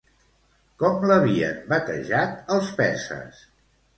Com l'havien batejat els perses?